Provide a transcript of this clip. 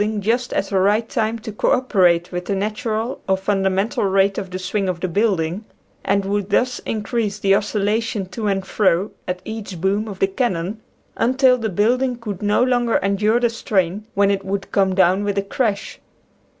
79 ing just at the right time to co operate with the natural or fundamental rate of the swing of the building, and would thus increase the oscillation to and fro at each boom of the cannon until the building could no longer endure the strain, when it would come down with a crash.